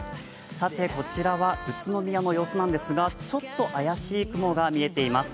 こちらは宇都宮の様子なんですがちょっと怪しい雲が見えています。